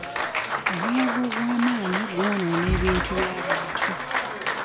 Omuyaga ogw'amaanyi gwonoona ebintu by'abantu.